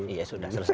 iya sudah selesai